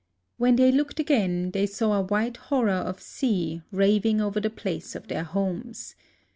When they looked again, they saw a white horror of sea raving over the place of their homes.